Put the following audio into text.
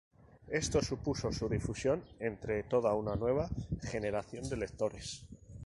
Esto supuso su difusión entre toda una nueva generación de lectores.